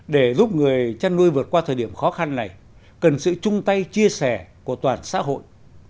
để giúp người chăn nuôi vượt qua thời điểm khó khăn này cần sự chung tay chia sẻ của toàn xã hội